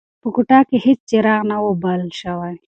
په کوټه کې هیڅ څراغ نه و بل شوی.